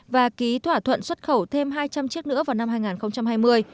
và ký thỏa thuận xuất khẩu thêm hai trăm linh chiếc nữa vào năm hai nghìn hai mươi